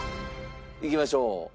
いきましょう。